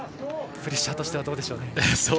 プレッシャーとしてはどうでしょうね。